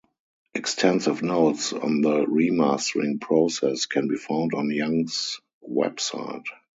Extensive notes on the remastering process can be found on Young's website.